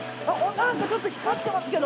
なんかちょっと光ってますけど。